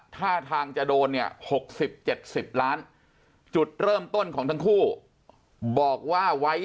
ท่าทางจะโดนเนี่ย๖๐๗๐ล้านจุดเริ่มต้นของทั้งคู่บอกว่าไว้